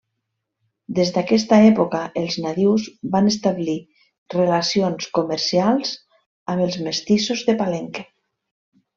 Des d'aquesta època els nadius van establir relacions comercials amb els mestissos de Palenque.